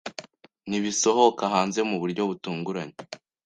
Nibisohoka hanze muburyo butunguranye?